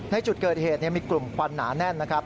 ในจุดเกิดเหตุมีกลุ่มควันหนาแน่นนะครับ